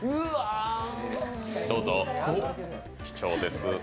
どうぞ、貴重です。